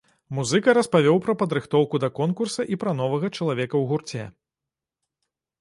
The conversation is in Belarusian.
Музыка распавёў пра падрыхтоўку да конкурса і пра новага чалавека ў гурце.